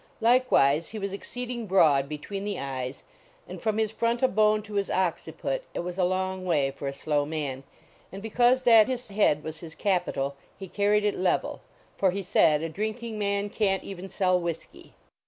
Likewise he was exceeding broad between the eyes, and from his frontal bone to his occiput it was a long way for a slow man. And because that his head was his capital he carried it level, for he said, "A drinking man can t even sell whisky."